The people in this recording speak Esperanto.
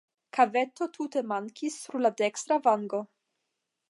Kaveto tute mankis sur la dekstra vango.